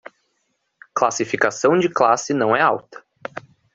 Classificação de classe não é alta